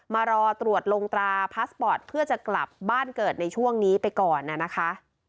มารอตรวจลงตราพาสปอร์ตเพื่อจะกลับบ้านเกิดในช่วงนี้ไปก่อนนะคะ